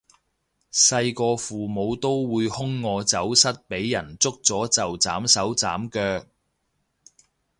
細個父母都會兇我走失畀人捉咗就斬手斬腳